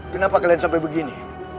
kenapa kalian sampai begini